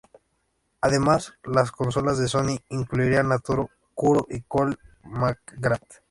Además, las consolas de Sony incluirán a Toro, Kuro y Cole McGrath.